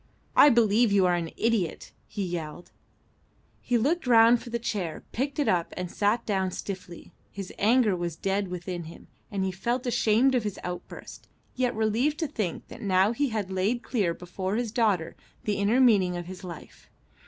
"I believe you are an idiot!" he yelled. He looked round for the chair, picked it up and sat down stiffly. His anger was dead within him, and he felt ashamed of his outburst, yet relieved to think that now he had laid clear before his daughter the inner meaning of his life.